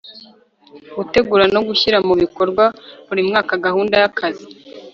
gutegura no gushyira mu bikorwa buri mwaka gahunda y'akazi